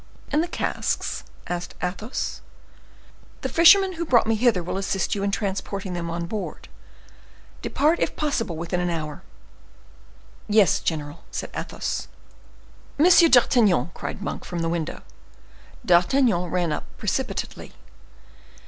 "And the casks?" said Athos. "The fisherman who brought me hither will assist you in transporting them on board. Depart, if possible, within an hour." "Yes, general," said Athos. "Monsieur D'Artagnan!" cried Monk, from the window. D'Artagnan ran up precipitately.